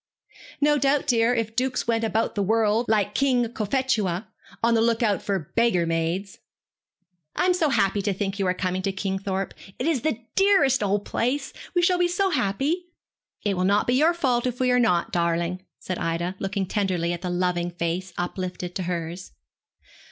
'No doubt, dear, if dukes went about the world, like King Cophetua, on the look out for beggar maids.' 'I am so happy to think you are coming to Kingthorpe! It is the dearest old place. We shall be so happy!' 'It will not be your fault if we are not, darling,' said Ida, looking tenderly at the loving face, uplifted to hers.